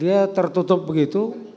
dia tertutup begitu